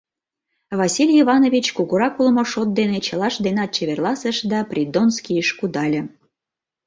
Василий Иванович кугурак улмо шот дене чылашт денат чеверласыш да Придонскийыш кудале.